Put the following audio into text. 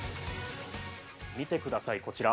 見てください、こちら。